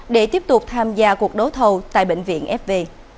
để tiếp tục tham gia cuộc đấu thầu tại bệnh viện fv